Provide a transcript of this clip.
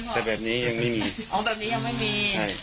แต่แบบนี้ยังไม่มี